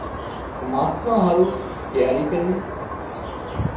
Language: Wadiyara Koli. ماستران هارُو تياري ڪروِي۔